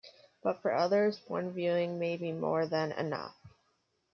But for others, one viewing may be more than enough.